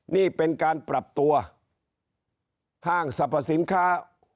นี่เป็นการปรับตัวห้างสรรพสินค้า